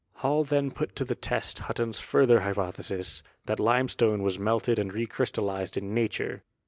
Hall then put to the test Hutton's further hypothesis, that limestone also was melted and re crystallized in na ture.